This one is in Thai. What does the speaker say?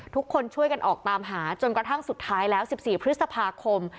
ทุกคนช่วยกันออกตามหาจนกระทั่งสุดท้ายแล้ว๑๔พฤษภาคม